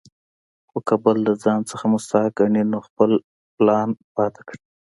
خو کۀ بل د ځان نه مستحق ګڼي نو خپل پلان پاتې کړي ـ